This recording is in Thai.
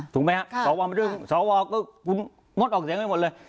สรวไม่ต้องมายุ่งสรวก็มดออกเสียงกันมากเลย